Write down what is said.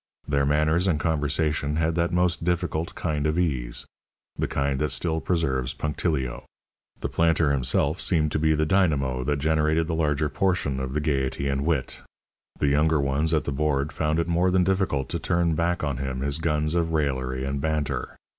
Their manners and conversation had that most difficult kind of ease the kind that still preserves punctilio. The planter himself seemed to be the dynamo that generated the larger portion of the gaiety and wit. The younger ones at the board found it more than difficult to turn back on him his guns of raillery and banter.